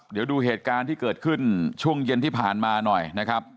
เดี๋ยวดูเหตุการณ์ที่เกิดขึ้นช่วงเย็นที่ผ่านมาหน่อยนะครับ